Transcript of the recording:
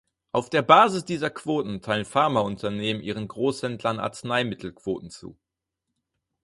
Auf der Basis dieser Quoten teilen Pharmaunternehmen ihren Großhändlern Arzneimittelquoten zu.